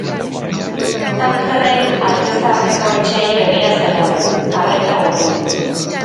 Tangerren alde zaharreko etxeei begira zegoen, arreta urrun.